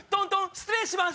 失礼します！